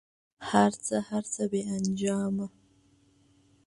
هر څه، هر څه بې انجامه